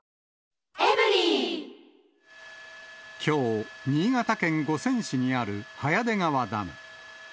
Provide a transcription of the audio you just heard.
きょう、新潟県五泉市にある早出川ダム。